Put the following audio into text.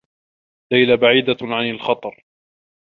ليلى بعيدة عن الخطر.